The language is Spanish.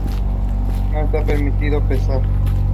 No está permitido pasar.